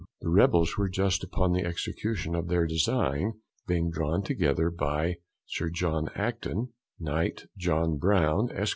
The Rebels were just upon the execution of their design, being drawn together by Sir John Acton, Knight, John Brown, Esq.